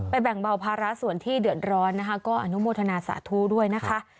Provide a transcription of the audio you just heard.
แบ่งเบาภาระส่วนที่เดือดร้อนนะคะก็อนุโมทนาสาธุด้วยนะคะ